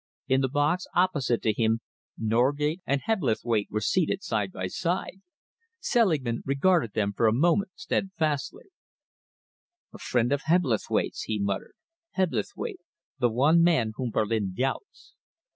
In the box opposite to him, Norgate and Hebblethwaite were seated side by side. Selingman regarded them for a moment steadfastly. "A friend of Hebblethwaite's!" he muttered. "Hebblethwaite the one man whom Berlin doubts!"